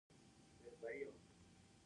ازادي راډیو د هنر وضعیت انځور کړی.